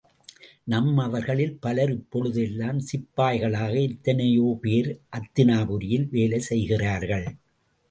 நம்மவர்களில் பலர் இப்பொழுது எல்லாம் சிப்பாய்களாக எத்தனையோ பேர் அத்தினாபுரியில் வேலை செய்கிறார்கள்.